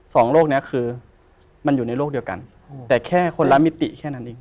สองโลกนี้คือมันอยู่ในโลกเดียวกันแต่แค่คนละมิติแค่นั้นเอง